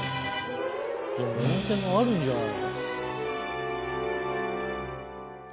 いや温泉があるんじゃないの？